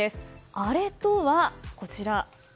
あれとはこちら。